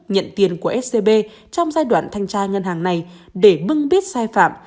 nhận tiền của scb trong giai đoạn thanh tra ngân hàng này để bưng biết sai phạm